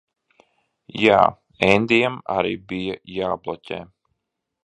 Jā. Endijam arī bija jābloķē.